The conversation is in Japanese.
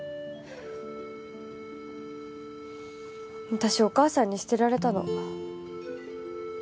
私お母さんに捨てられたの。